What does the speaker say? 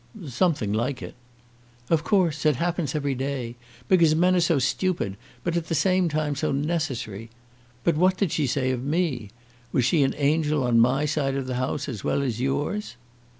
"Something like it." "Of course. It happens every day, because men are so stupid, but at the same time so necessary. But what did she say of me I Was she angel on my side of the house as well as yours?"